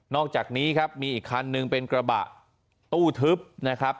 อกจากนี้ครับมีอีกคันนึงเป็นกระบะตู้ทึบนะครับ